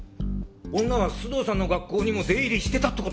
女は須藤さんの学校にも出入りしてたって事か？